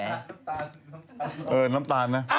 เออน้ำตาลนะ